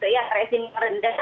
ya tracing rendah